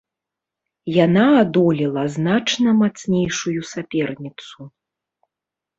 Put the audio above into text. Яна адолела значна мацнейшую саперніцу.